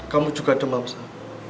kamu juga demam sam